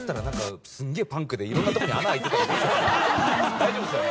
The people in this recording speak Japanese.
大丈夫っすよね？